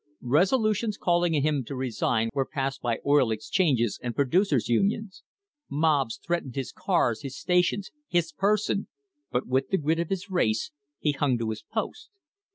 Resolutions calling on him to resign were passed by oil exchanges and producers' unions. Mobs threatened his cars, his stations, his person, but with the grit of his race he hung to his post.